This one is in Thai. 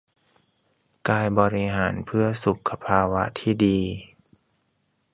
กายบริหารเพื่อสุขภาวะที่ดี